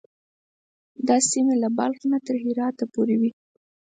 دا سیمې له بلخ نه تر هرات پورې وې.